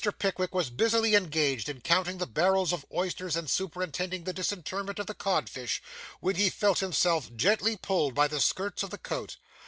Pickwick was busily engaged in counting the barrels of oysters and superintending the disinterment of the cod fish, when he felt himself gently pulled by the skirts of the coat.